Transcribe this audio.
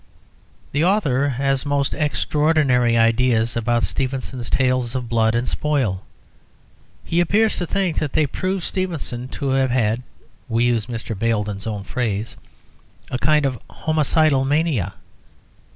The author has most extraordinary ideas about Stevenson's tales of blood and spoil; he appears to think that they prove Stevenson to have had (we use Mr. Baildon's own phrase) a kind of "homicidal mania."